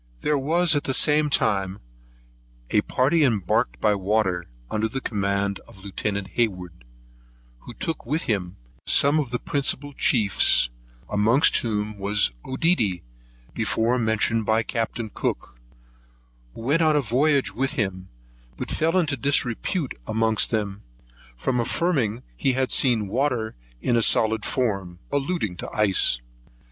There was at the same time a party embarked by water, under the command of Lieutenant Hayward, who took with him some of the principal chiefs, amongst whom was Oedidy, before mentioned by Captain Cook, who went a voyage with him, but fell into disrepute amongst them, from affirming he had seen water in a solid form; alluding to the ice.